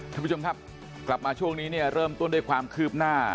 ท่านผู้ชมครับกลับมาช่วงนี้เนี่ยเริ่มต้นด้วยความคืบหน้า